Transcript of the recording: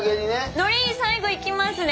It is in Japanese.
のり最後いきますね。